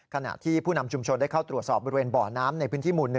ขณะที่ผู้นำชุมชนได้เข้าตรวจสอบบริเวณบ่อน้ำในพื้นที่หมู่๑